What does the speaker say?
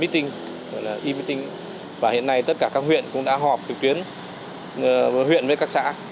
thứ bốn là meeting và hiện nay tất cả các huyện cũng đã họp tự tuyến huyện với các xã